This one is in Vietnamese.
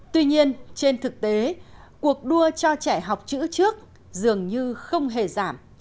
tuy nhiên trên thực tế cuộc đua cho trẻ học chữ trước dường như không hề giảm